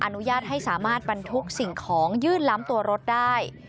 อนุญาตให้สามารถบรรทุกสิ่งของยื่นล้ำตัวรถได้